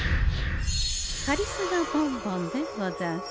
カリスマボンボンでござんす。